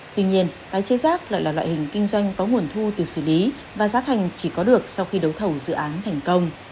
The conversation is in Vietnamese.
tuy nhiên tái chế rác lại là loại hình kinh doanh có nguồn thu từ xử lý và giá thành chỉ có được sau khi đấu thầu dự án thành công